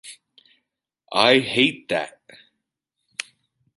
I hate that.